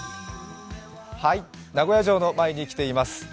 名古屋城の前に来ています。